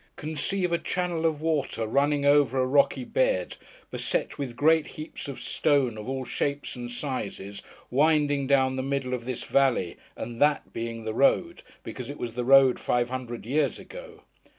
Conceive a channel of water running over a rocky bed, beset with great heaps of stone of all shapes and sizes, winding down the middle of this valley; and that being the road—because it was the road five hundred years ago!